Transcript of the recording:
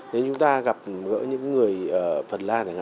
nếu chúng ta gặp những người phần lan